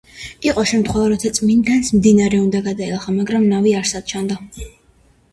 იყო შემთხვევა, როცა წმინდანს მდინარე უნდა გადაელახა, მაგრამ ნავი არსად ჩანდა.